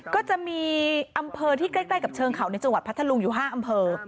ก็จะมีอำเภอที่ใกล้กับเชิงเขาในจังหวัดพัทธลุงอยู่๕อำเภอ